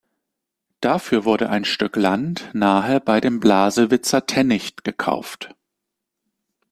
Dafür wurde ein Stück Land „nahe bei dem Blasewitzer Tännicht“ gekauft.